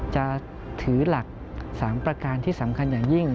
จะถือหลัก๓ประการที่สำคัญอย่างยิ่ง